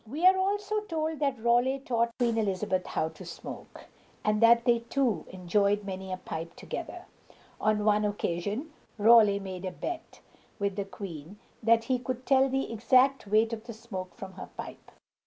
We are also told that Raleigh taught Queen Elizabeth how to smoke, and that they two enjoyed many a pipe together. On one occasion Raleigh made a bet with the queen that he could tell the exact weight of the smoke from her pipe.